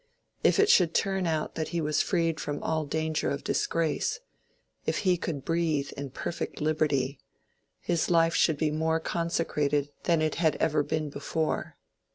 If it should turn out that he was freed from all danger of disgrace—if he could breathe in perfect liberty—his life should be more consecrated than it had ever been before.